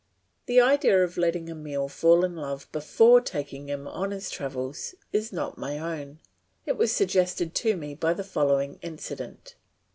The idea of letting Emile fall in love before taking him on his travels is not my own. It was suggested to me by the following incident.